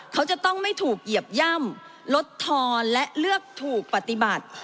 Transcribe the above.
เขาจะต้องไม่ถูกเหยียบย่ำลดทอนและเลือกถูกปฏิบัติ